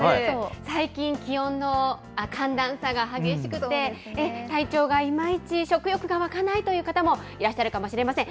最近、気温の寒暖差が激しくて、体調がいまいち、食欲が湧かないという方もいらっしゃるかもしれません。